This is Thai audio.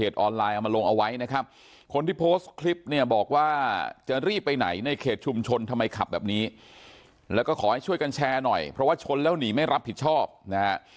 เอามาลงเอาไว้นะครับคนที่โพสต์คลิปเนี่ยบอกว่าจะรีบไปไหนในเขตชุมชนทำไมขับแบบนี้แล้วก็ขอให้ช่วยกันแชร์หน่อยเพราะว่าชนแล้วหนีไม่รับผิดชอบนะฮะ